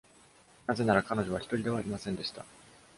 なぜなら彼女は一人ではありませんでした。